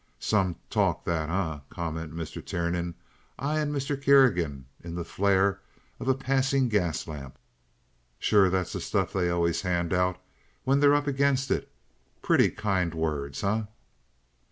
"Some talk, that, eh?" commented Mr. Tiernan, eying Mr. Kerrigan in the flare of a passing gas lamp. "Sure. That's the stuff they always hand out when they're up against it. Pretty kind words, eh?"